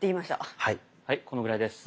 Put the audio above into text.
はいこのぐらいです。